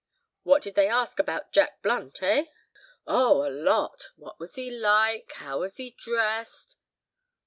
"What did they ask about Jack Blunt, eh?" "Oh! a lot. What was he like?—how was he dressed?"